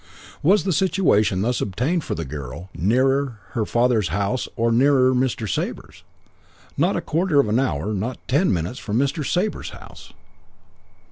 "Was the situation thus obtained for the girl nearer her father's house or nearer Mr. Sabre's? 'Not a quarter of an hour, not ten minutes, from Mr. Sabre's house.'